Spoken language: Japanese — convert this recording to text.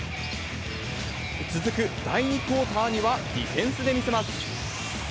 続く第２クオーターにはディフェンスで見せます。